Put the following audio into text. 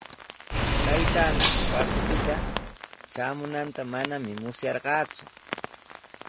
Taytaami Huacupita traamunanta manami musyarqaaku.